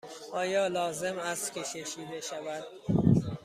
آیا لازم است که کشیده شود؟